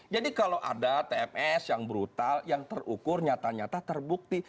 jadi kalau ada tms yang brutal yang terukur nyata nyata terbukti